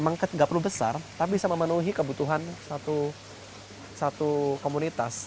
memang nggak perlu besar tapi bisa memenuhi kebutuhan satu komunitas